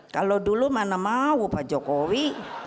kalau dulu mana mau pak jokowi